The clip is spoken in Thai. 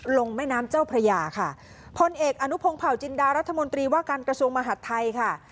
แม่น้ำเจ้าพระยาค่ะพลเอกอนุพงศ์เผาจินดารัฐมนตรีว่าการกระทรวงมหาดไทยค่ะ